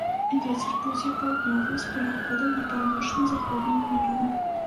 Вецер будзе паўднёвы з пераходам на паўночна-заходні ўмераны.